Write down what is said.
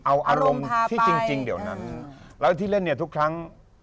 เอาอารมณ์ที่จริงเดี๋ยวนั้นแล้วที่เล่นเนี่ยทุกครั้ง